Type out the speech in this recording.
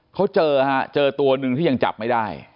เขาเจอฮะเจอตัวหนึ่งที่ยังจับไม่ได้